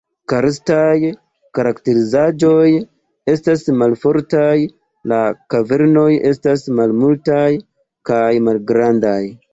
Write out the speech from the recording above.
Karstaj karakterizaĵoj estas malfortaj, la kavernoj estas malmultaj kaj malgrandaj.